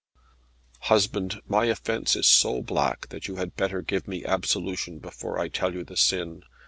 "Husband, my offence is so black, that you had better give me absolution before I tell you the sin.